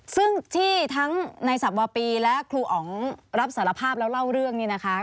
ซึ่งที่ทั้งในสับวาปีและครูอ๋องรับสารภาพแล้วเล่าเรื่องนี้นะคะ